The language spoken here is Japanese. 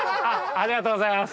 ありがとうございます。